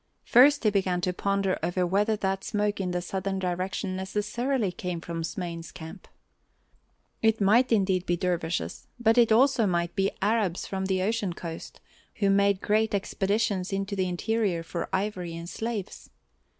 First he began to ponder over whether that smoke in the southern direction necessarily came from Smain's camp. It might indeed be dervishes, but it also might be Arabs from the ocean coast, who made great expeditions into the interior for ivory and slaves.